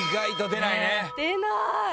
出ない！